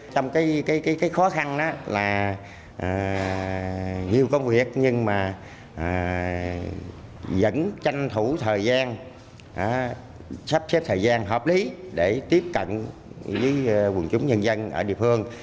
trong cái khó khăn là nhiều công việc nhưng mà vẫn tranh thủ thời gian sắp xếp thời gian hợp lý để tiếp cận với quần chúng nhân dân ở địa phương